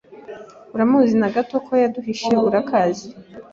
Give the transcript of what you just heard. Uramuzi na gato ke yaduhishe urakazi?